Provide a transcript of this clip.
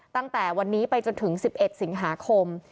ตั้งแต่วันนี้ไปจนถึง๑๑สิงหาคม